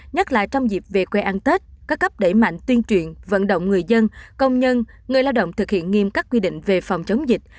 nhất là trong dịp về quê ăn tết các cấp đẩy mạnh tuyên truyền vận động người dân công nhân người lao động thực hiện nghiêm các quy định về phòng chống dịch